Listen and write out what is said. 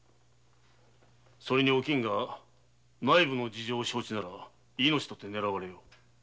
それにおきんが内部の事情を承知なら命がねらわれる。